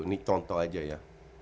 ini contoh aja ya